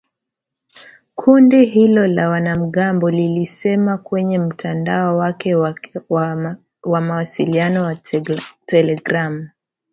Kundi hilo la wanamgambo lilisema kwenye mtandao wake wa mawasiliano wa telegramu.